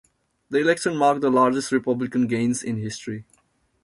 The election marked the largest Republican gains in history.